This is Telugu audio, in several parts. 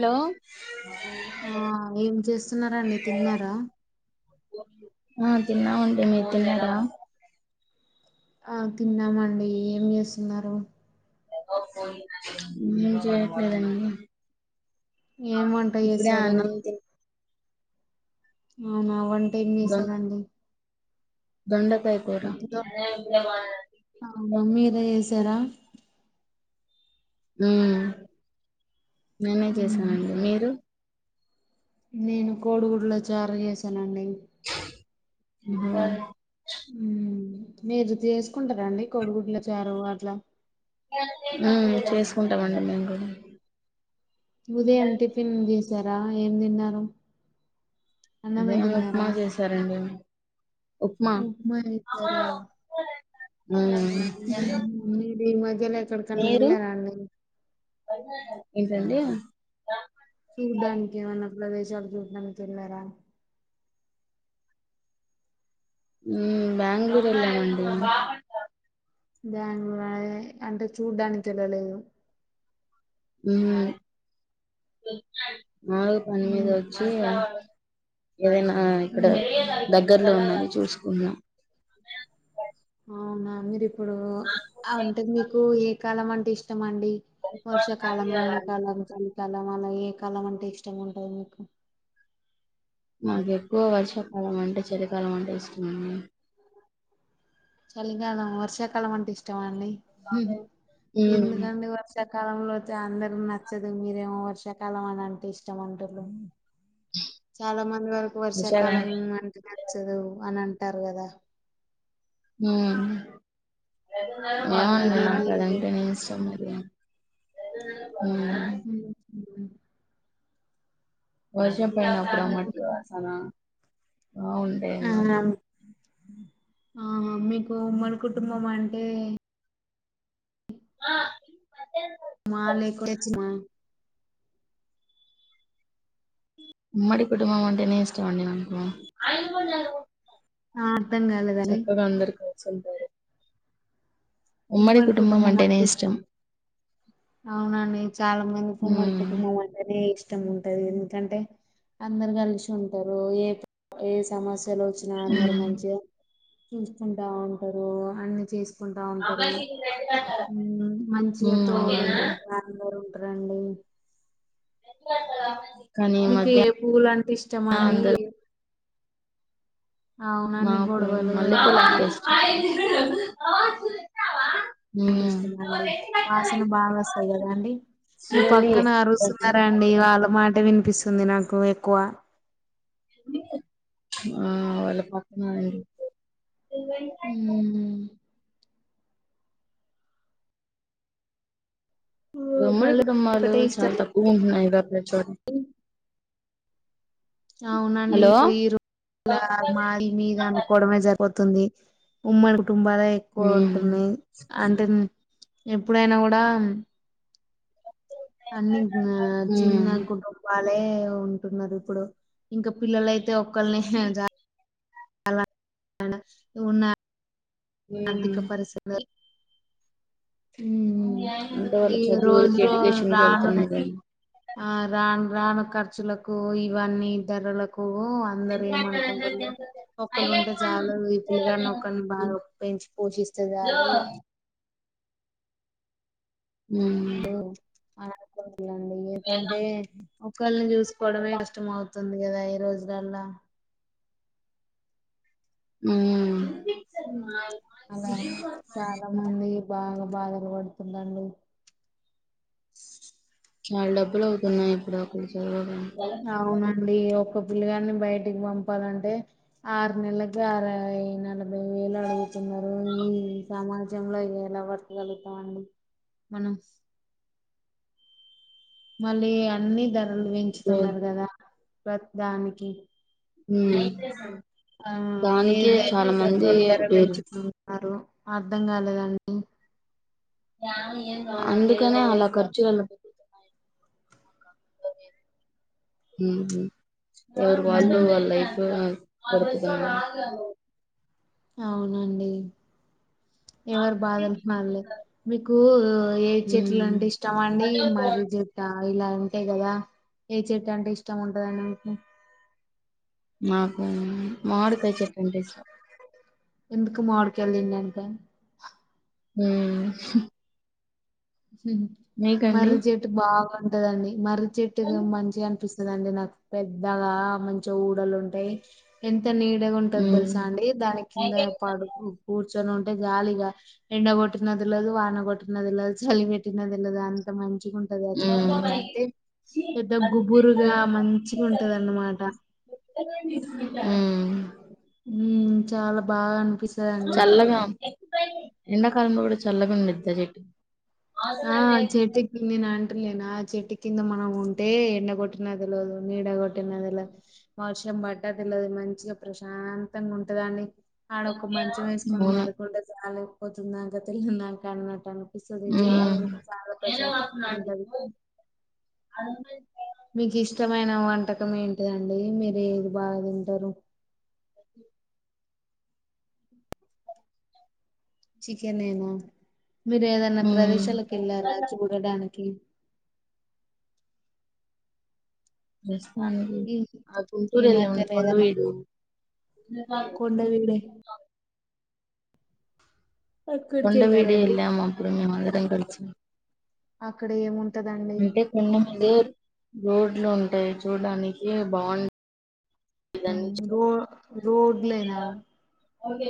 హలో ఆ ఏం చేస్తున్నారాండి తిన్నారా ఆ తిన్నాం అండి మీరు తిన్నారా ఆ తిన్నామండి ఏం చేస్తున్నారు ఏం చేయట్లేదు అండి ఏం వంట చేసారు అవునా వన్ ేం దొ చేశారంండి దొండకాయ కూర అవును మీరే చేసారా హూ మ్ నేనే చేశానండి మీరు నేను కోడుగుడ్ల చారు చేసానండి. [inaudible] ఊ మీరు చేసుకుంటారంండి కోడుగుడ్ల చారు అట్ల హమ్ చేసుకుంటామండి మేము కూడా ఉదయం టిఫిన్ వ జరా ఏం తిన్నారు అన్నమే మేం తిన్నారా ఉప్మా చేశారండి ఉప్మా చేశారా ఉమ్ మీరు ఈ మధ్యలో ఎక్కడికన్న మీరు వెళ్ళారా అండి ఏంటండి చూడ్డానికి ఏమన్నా ప్రదేశాలు చూడ్డానికి కెల్లారా బెంగళూరు వెళ్ళాం అండి బెంగళూరు అ అంటే చూడ్డానికి వెళ్ళలేదు హమ్ నాలుగు పని మీద ఉమ్. వచ్చి ఏదైనా ఇక్కడ దగ్గర్లో ఉన్న చూసకుందాం అవునా మీరు ఈ ప ఇప్పుడు ఆ ఉంటది మీకు ఏ కాలం అంటె ఇష్టంమండి వర్షాకాలం ఎండకాలం చ కాలాల్లో ఏ కాలం అంటే ఇష్టం ఉంటది మీకు. నాకు ఎక్కువ వర్షాకాలం అంటే చలికాలం అంటే ఇష్టమండి చలికాలం వర్షాకాలం అంటే ఇష్టం అండి ఉమ్ ఎందుకండి వర్షా కా కాలంలో అందరుూ నచ్చదు మీరేమో వర్షాకాలం అని అంటే ఇష్టం అంటారు చాలా మంది వరకు నిజమే. వర్షాకాలం అంటే నచ్చదు అని అంట అంటారు కద హమ్ ఏమో అండి మీరేంది నాకు అదంటే నే ఇష్టం మరి ఉమ్ హమ్ వర్షం ప్పుడు మట్టి ఇంకా వాసన ఆ ఆ ఉంటాయిమ ఆ మీకుఉమ్మడి కుటుంబం అంటే అ అదే మా లేకుడెచ్చ మా ఉమ్మడి కుటుంబం వంటేనే ఇష్టమండి నాకు ఆ అర్థం కాలేదని చక్క కందరుక సంటే ఉమ్మడి కుటుంబం అంటే ఇష్టం అవునండి చాలా మంది ఉమ్మడి ఉమ్ కుటుంబం అంటేనే ది ఇష్టం ఇష్టం ఉంటది ఎందుకంటే అందరు కలిసి ఉంటారు ఏ ఏ సమస్య సలోచనా అందరు ఉమ్ మంచిగా చూసుకుంటా ఉంటారు అన్ని చేసుకుంటా [inaudible] నా ఉంటారు ఉమ్, ఊ నా రండి ఎ మీకు ఏ పువలు అంటే ఇష్టం అండి అందరు అవునండి మాకు గొడవలు మల్లె అన్ని పూల్లేస్ అయితున్నాయి అంటి ఇష్టమండి వాసన బాగా వస్తాయి కదాండి మీ ఉమ్ పక్కన అరుస్తున్నారాండి వాళ్ళ మాట వి పిస్తుంది నాకు ఎక్కువ ఆ వాళ పక్కన్నారండి ఇవ మ్మ్. ఓ, ఉమ్మడి మళ్ళీ కుటుంబాలు ఒకటే ఇష్టం చాలా తక్కువ ఉంటున్నాయి. [unintelligible] చ అవునండి ఇప్పు ఈ రోజుల మఈ మీ ఈ అనుకోవడమే జరుంది పోతుంది ఉమ్మడి కుటుంబాలే ఎక్కువ ఉమ్ ఉంటున్నాయి అంటే ఎప్పుడైనా కూడా అన్ని చిన్న కుటంపా ఉంటున్నారు ఇప్పుడు ఇంకా పిల్లలయితే త ఒకలని హజ నువున్నా ఉమ్ ఆర్థిక పరిస్థిత అంటే వాళ్ళ ఈ రోజు చదువురికి రో ఎడ్యుకేషన్కి రాను వెళ్తున్నా కానీ ఆ రాను రాను ఖర్చులకు ఇవన్నీ ధరలకు ప్పువ అందరు ఏమనుకుంటన్నారు ఒక్కళ్రు ఉంటే చాలుా వి పలుగాని ఒరిని బాగా పోషిస్తే చాలు ఉ ఆ ఇలండి ఎందుకంటే ఒకళ్లను చు కోడమే కష్టమదు వస్తుంది కదా ఈ రోజులలా మ్ అలా చాలా మంది బాగా బాధ పడుతున్నాను చాలా డబ్బులు అవుతున్నాయి ఇప్పుడు అక్కడు చదువగానే అవునండి ఒ ఒక పిల్లిగాని బయటికి పంపాలంటే ఆరు నెలలకి అరై నలభై వేలు అడుగు న్నారు ఈ సామాజ విజ్యంలో ఎలా వర్తగలుగుతాండి మనం మళ్ళీ అ అన్ని ధరలు పెంచుతున్నారు కదా ప్రతి దానికి మ్ ఆ ఏ పెట్రోల్ ధర వేరు పెంచుతున్నారు అర్ధం కాలేదండి అందుకనే అలా ఖర్చు [inaudible] ఎవరు వాళ్ళు ఉమ్, వాళ్ళైపోయారు [unintelligible] అవునండి ఎవరు బాధలు మలి మీకు ఏ చెట్లు ఉమ్ అంటే ఇష్టం అండి మర్రి చెట్ట ఇలా అంతే కదా ఏ చెట్టు అంటే ఇష్టం ఉంటది అండి మీకి నాకు మామిడికాయ చెట్టు అంటే ఇష్టం ఎందుకు మామిడికాయలు తినడానికా మ్ మర్రి చెట్టు బాగా దండి మరి చెట్టుగా మంచిగా అనిపిస్తుంది లేదండి నాకు పెద్దగా మంచి ఊడలు ఉంటాయి ఎం ద నీడగా ఉంటది ఉమ్ తెలుసా అండి దాని కింద పడుకుని కూర్ కూర్చొని ఉంటే జాలీగా ఎండ కొట్టినది తెలవదు వాన కొట్టిన తెలవదు చలిబెట్టినది తెలద అంత మంచి మంచిగుంటది ఆ చెట్టు ఉమ్ కింద అంటే పెద్ద గుబురుగా మంచిగా ఉంటది అన్నమాట ఉమ్ ఉ చాలా బాగా అను చల్లగా ఎండాకాలంలో కూడా చల్లగుంది నిద్ద చెట్ ఆ చేతికి ని నాంటు లేనా చెట్టు కింద మనం ఉంటే ఎండగొట్టిన తెలివదు, నీడ కొట్టిన తెలదు, వర్షం బడ్డ తెలవదు, మంచిగా ప్రశాంతంగా ఉంటదాని ఆడొక్క మంచం వేసుకొని అవును పడుకుంటే సాలు పొద్దున్ దాంక తెల్లందాక అలవాటు అనిపిస్ ఊమ్ ఉంటది మీకు ఇష్టమైన వంటకం ఏంటిదండి మీరు ఏది బాగా తింటారు చికెనేనా మీరు ఏదన్నా ఉమ్ ప్రదేశాలకు వెళ్ళారా చూడడానికి ఎస్ అండి ఈ ఈ మధ్యలో ఏదైనా కొండ వీడే అక్కడికి కొండవీడు వెళ్ళారండి ఎళ్ళాం అప్పుడు మేం అదే ట్రైబల్స్ అక్కడ ఏమున్ ట దాండి అదే రోడ్లు ఉంటాయి చూడడానికి బాగుం రో రోడ్ల్ లేనా ఓకే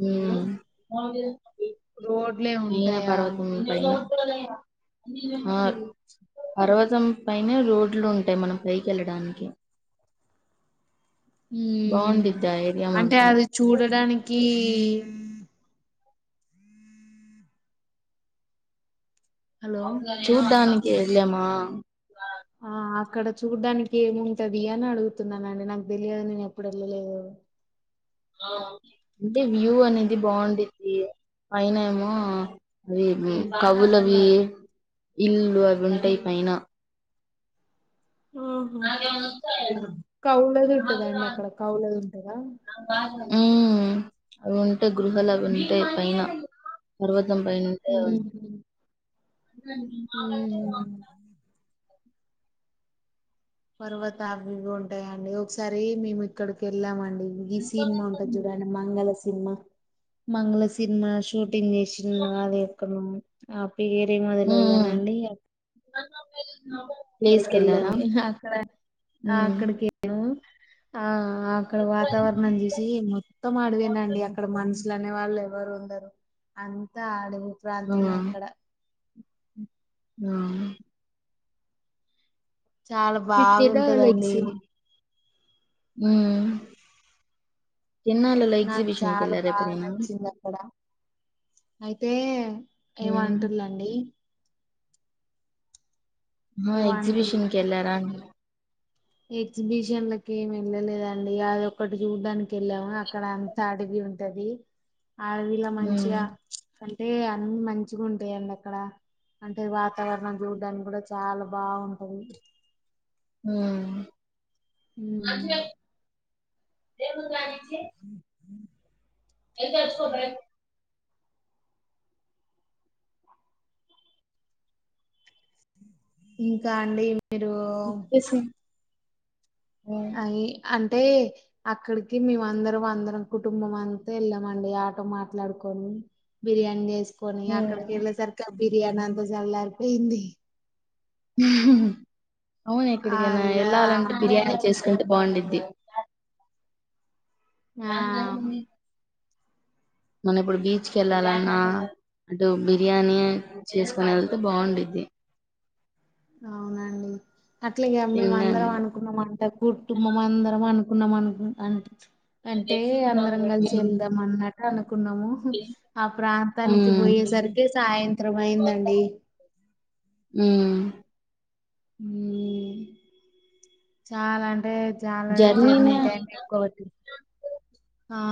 హుమ్ మా వే రోడ్ అయినా పర్వతం పైన ఆ రోజం పైనే రోడ్లు ఉంటాయి మనం పైకి వెళ్ళడానికి ఊమ్ బాగుండిద్ది ఆ ఏరియా అంటే మాత్రం అది చూడడానికి కీ హలో చూడ్డానికి ఏలేమా ఆ అక్కడ చూడ్డానికి ఏం ఉంటది అని అడుగుతున్నానండి నాకు తెలియదు నేను ఎప్పుడు వెళ్ళలేదు అంటే వ్యూ అనేది బావుండిద్ది పైన ఏమో అవి కవులువి ఇల్లు అవి ఉంటాయి పైన ఆహా కవులది ఉంటదా అండి అక్కడ కవులది ఉంటదా ఊ అవి ఉంటాయి గృహలు అవి ఉంటాయి పైన పర్వత ఊహూ అంతే అండి మా కంటే పర్వత అవివి ఉంటాయండి ఒకసారి మేము ఇక్కడికి వెళ్ళామండి ఈ సిన్మా ఉంటదిచూడండి మంగళ తిన్నా మంగళ సినిమా షూటింగ్ చేసింది అది ఎక్కనో పేరే మొదలదు కద అండి థమ్సప్ ఎయ్ అక్కడికి వెళ్ళాము అక్కడ మ్మ్ అక్కడికి ఏము ఆ ఆ అక్కడ వాతావరణం చూసి మొత్తం అడవేనండి అక్కడ మనుషులు అనే వాళ్ళు ఎవరు ఉండరు అంతా అడవే అవునా ప్రాంతమే అక్కడ ఆ చాలా మీకు బాగుంటదండి ఊ తిర్ణాలలో నాకు ఎక్సిిబిషన్ చాలా కెళ్లార బాగా ఎప్పుడైనా నచ్చింది అక్కడ అయితే మ్మ్ ఏమంటుందండి ఆ ఏమో అంటుర్రు ఎక్జిబిషన్కి వెళ్లార ఎగ్జిబిషన్లకి ఏమి వెళ్ళలేదండి అది ఒక్కటి చూడ్డానికి వెళ్ళాము అక్కడ అంత అడవి ఉంటది అడవిలా మ్మ్ మంచిగా కని అంటే అన్ని మంచిగా ఉంటయిండి అక్కడ అంటే వాతావరణం చూడ్డానికి కూడా చాలా బావుంటది ఊ ఉమ్. అదే ఏమని [unintelligible] చె [inaudible] ఇంకా అండి మీరు తెలుసు మ్మ్ అయి అం అంటే అక్కడికి మేమందరం అందరం కుటుంబం అంతా వెళ్ళామండి ఆటో మాట్లాడుకొని, బిర్యానీ చేసి కొని అక్కడకి మ్మ్ వెళ్ళ సరికి బిర్యానీ అంతా చల్లారిపోయింది అవును ఆ ఎక్కడికైనా ఇగ ఎ ళ్ళాలంటే బిర్యానీ చేసు తె బాగుండిది ఆ మనం ఇప్పుడు బీచ్ కి వెళ్ళాలన్నా అంటే బిర్యానీ చేసుకుని వెళ్తే బాగుండుద్ది అవునండి అట్లాగ మేమ అందరం తినడానికి అనుకున్నాంమంట కుటుంబం అందరం అనుక ఉన్నమనాకు యాంన్ అంటే అందరం కలిసి మ్మ్ వెళ్దాం అన్న అవును అనుకున్నాము ఆ ప్రాంతానికి మ్మ్ పోయేసరికి సాయంత్రం అయిందండి మ్మ్ మ్ చాలా అంటే చాలా జర్నీనే జర్నీ టైమ్ ఎక్కువ అవుతుంది ఆ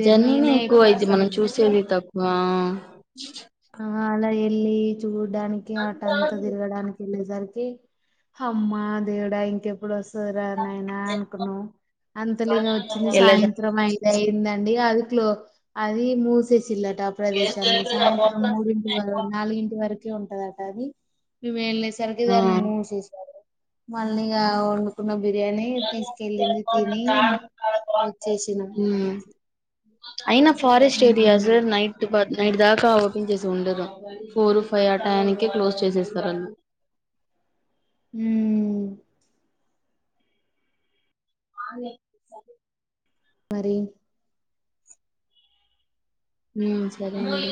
జర్నీనే ఎక్కువ వస్తాం వా అ ఆ అ ఎల్లి చూ చడానికి ఆటంతా తిరగడానికి లేదు అందరికి అమ్మ దేవుడా ఇంకెప్పుడు వస్తాదిరా [unintelligible] నా అనుకున్నాం అంతలిగ వచ్చింది ఎల్లదా సాయంత్రం అఐద అయిందండి అది [unintelligible] అది మూసేసిల డా ప్రదేశ్ సాయంత్రం మూడింటి వర నాలుగింటి వరకు అట్లే ఉంటాదట అది నువ్వెల్లెస్ సరికి ఆ దాన్ని మూసేసారు. మల్లి గా వండుకున్నం బిర్యానీ తీసుకెళ్ళింది, తిని వచ్చేసినా. మాట అయిన ఫారెస్ట్ ఏరియాస్ నైట్ బ నైట్ దాకా ఓపెన్ చేసి ఉండదు ఫోర్ ఫైవ్ ఆ టయానికె క్లోజ్ చేసేస్తారు అన్న ఊ ఆన్లైన్ రిజర్వు మరీ ఉమ్ సరే మరి